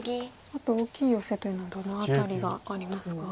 あと大きいヨセというのはどの辺りがありますか？